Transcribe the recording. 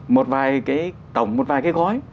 một vài cái tổng một vài cái gói